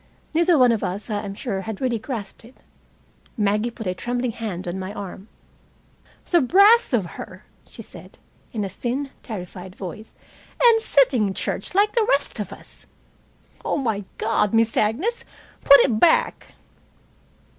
Neither of us, I am sure, had really grasped it. Maggie put a trembling hand on my arm. "The brass of her," she said, in a thin, terrified voice. "And sitting in church like the rest of us. Oh, my God, Miss Agnes, put it back!"